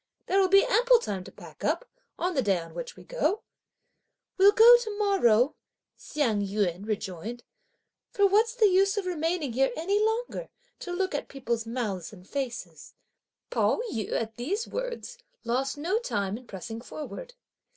"There will be ample time to pack up, on the day on which we go!" "We'll go to morrow," Hsiang yün rejoined; "for what's the use of remaining here any longer to look at people's mouths and faces?" Pao yü, at these words, lost no time in pressing forward.